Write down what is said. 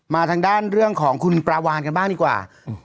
มาทางด้านเรื่องของคุณปลาวานกันบ้างดีกว่า